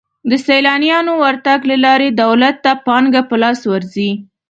د سیلانیانو ورتګ له لارې دولت ته پانګه په لاس ورځي.